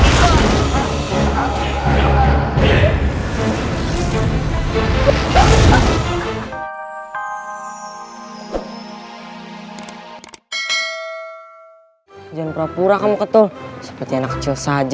jangan pura pura kamu ketul seperti anak kecil saja